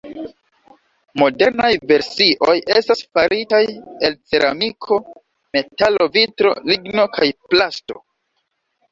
Modernaj versioj estas faritaj el ceramiko, metalo, vitro, ligno kaj plasto.